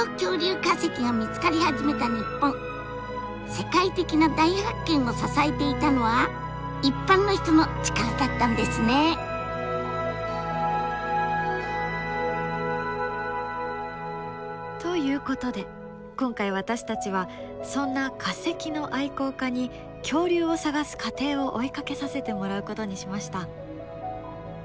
世界的な大発見を支えていたのは一般の人の力だったんですね！ということで今回私たちはそんな化石の愛好家に恐竜を探す過程を追いかけさせてもらうことにしました。